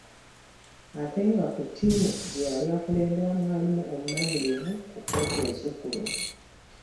Ate nga ku ttiimu gye yali akulembera mwalimu omumanyirivu ku kkooti Ensukkulumu